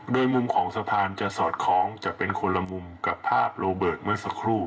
โดยมุมของสะพานจะสอดคล้องจะเป็นคนละมุมกับภาพโรเบิร์ตเมื่อสักครู่